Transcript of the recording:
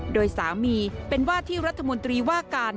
โดยสามีเป็นว่าที่รัฐมนตรีว่าการ